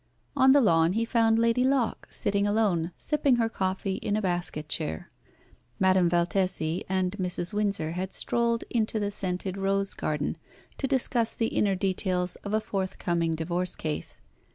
On the lawn he found Lady Locke sitting alone, sipping her coffee in a basket chair. Madame Valtesi and Mrs. Windsor had strolled into the scented rose garden to discuss the inner details of a forthcoming divorce case.